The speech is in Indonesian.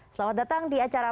selamat datang di acara